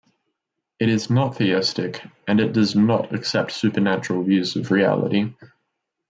It is not theistic, and it does not accept supernatural views of reality.